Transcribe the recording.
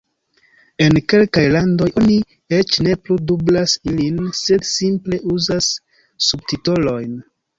En kelkaj landoj oni eĉ ne plu dublas ilin, sed simple uzas subtitolojn.